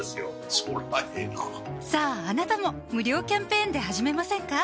そりゃええなさぁあなたも無料キャンペーンで始めませんか？